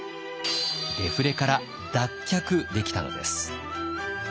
デフレから脱却できたのです。